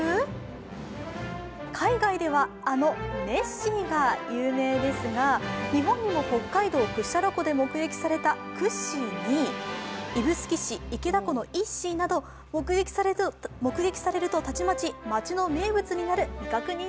海外ではあのネッシーが有名ですが、日本にも北海道屈斜路湖で目撃されたクッシーに指宿市池田湖のイッシーなど目撃されると、たちまち町の名物になる未確認